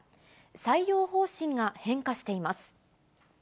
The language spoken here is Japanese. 採用方針が変化しています。